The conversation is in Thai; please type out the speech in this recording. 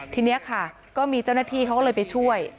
ทีนี้ค่ะก็มีเจ้าหน้าที่เขาก็เลยไปช่วย